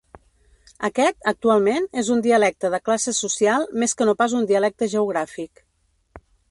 Aquest, actualment, és un dialecte de classe social més que no pas un dialecte geogràfic.